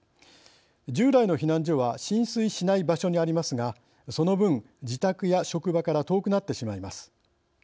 従来の避難所は浸水しない場所にありますがその分、自宅や職場から遠くなってしまいます。